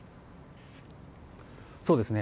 そうですね。